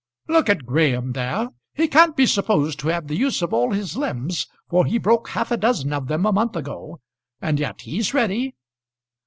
"Look at Graham there. He can't be supposed to have the use of all his limbs, for he broke half a dozen of them a month ago; and yet he's ready.